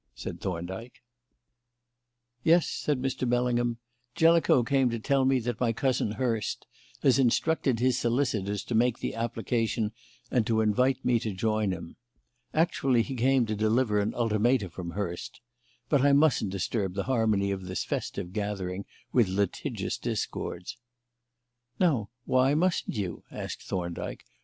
said Thorndyke. "Yes," said Mr. Bellingham. "Jellicoe came to tell me that my cousin, Hurst, has instructed his solicitors to make the application and to invite me to join him. Actually he came to deliver an ultimatum from Hurst But, I mustn't disturb the harmony of this festive gathering with litigious discords." "Now, why mustn't you?" asked Thorndyke.